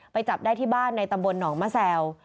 จับได้ที่บ้านในตำบลหนองมะแซว